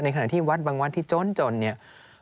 ในขณะที่บางวัดที่โจรเนี่ย